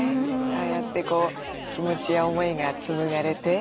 ああやってこう気持ちや思いが紡がれて。